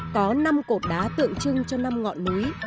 có năm cột đá tượng trưng cho năm ngọn núi